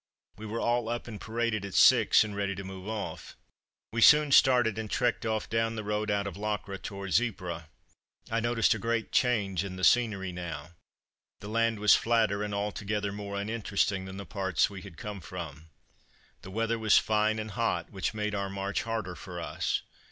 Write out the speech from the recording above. We were all up and paraded at six, and ready to move off. We soon started and trekked off down the road out of Locre towards Ypres. I noticed a great change in the scenery now. The land was flatter and altogether more uninteresting than the parts we had come from. The weather was fine and hot, which made our march harder for us.